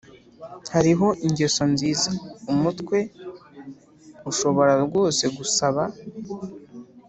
hariho ingeso nziza, umutwe ushobora rwose gusaba,